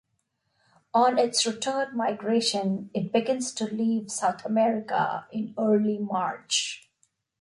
On its return migration it begins to leave South America in early March.